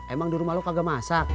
emang dirumah lu kagak masak